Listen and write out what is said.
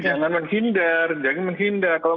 jangan menghindar jangan menghindar kalau